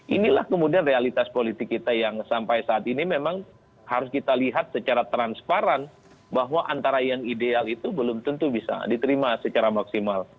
inilah kemudian realitas politik kita yang sampai saat ini memang harus kita lihat secara transparan bahwa antara yang ideal itu belum tentu bisa diterima secara maksimal